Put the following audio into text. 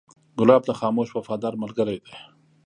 ګلاب د خاموش وفادار ملګری دی.